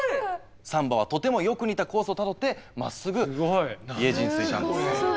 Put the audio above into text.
３羽はとてもよく似たコースをたどってまっすぐ家路に就いたんです。